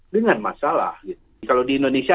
dengan masalah kalau di indonesia